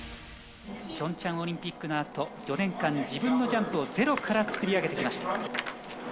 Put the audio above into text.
ピョンチャンオリンピックのあと、４年間、自分のジャンプをゼロから作り上げてきました。